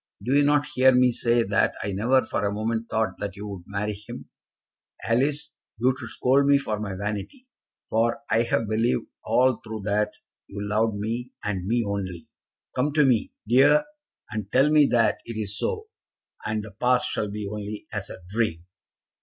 Do you not hear me say that I never for a moment thought that you would marry him? Alice, you should scold me for my vanity, for I have believed all through that you loved me, and me only. Come to me, dear, and tell me that it is so, and the past shall be only as a dream."